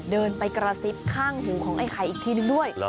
เดินไปกระซิบข้างหูของไอ้ไข่อีกทีนึงด้วย